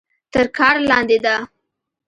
تر کار لاندې ده.